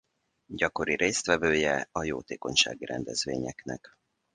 Gyakori résztvevője a jótékonysági rendezvényeknek.